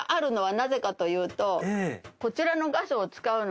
なぜかというと。